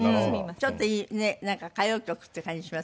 ちょっといいねっ歌謡曲っていう感じしますよね。